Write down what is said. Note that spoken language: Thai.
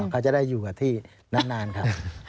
เขาจะได้อยู่กับที่นานครับ